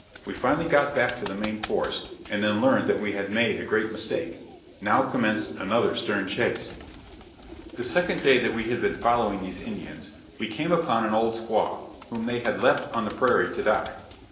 We finally got back to the main force, and then learned that we had made a great mistake. Now commenced another stern chase. The second day that we had been following these Indians we came upon an old squaw, whom they had left on the prairie to die.